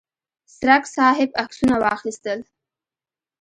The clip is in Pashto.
څرک صاحب عکسونه واخیستل.